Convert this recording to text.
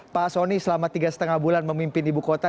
pak soni selama tiga lima bulan memimpin ibu kota